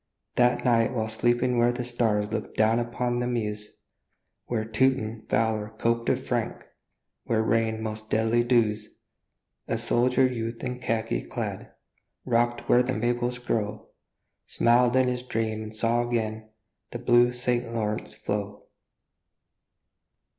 That night while sleeping where the stars Look down upon the Meuse, Where Teuton valor coped with Frank, Where rained most deadly dews, A soldier youth in khaki clad, Rock'd where the Maples grow, Smiled in his dream and saw again The blue St. Lawrence flow.